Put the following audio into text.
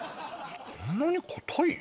そんなに硬い？